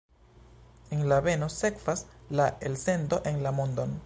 El la beno sekvas la elsendo en la mondon.